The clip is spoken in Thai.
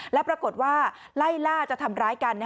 แล้วปรากฏว่าไล่ล่าจะทำร้ายกัน